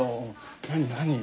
何何？